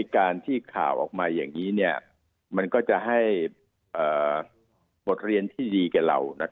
การที่ข่าวออกมาอย่างนี้มันก็จะให้บทเรียนที่ดีแก่เรา